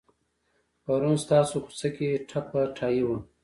پرون ستاسو کوڅه کې ټپه ټایي وه.